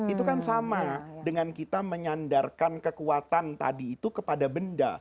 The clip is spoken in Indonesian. itu kan sama dengan kita menyandarkan kekuatan tadi itu kepada benda